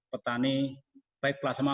petani baik plasma